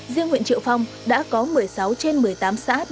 riêng huyện triệu phong đã có một mươi sáu trên một mươi tám xã